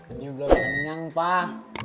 ini belum panjang pak